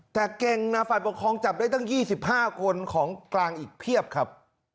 แต่เก่งนะฝ่ายปกครองจับได้ตั้ง๒๕คนของกลางอีกเพียบครับ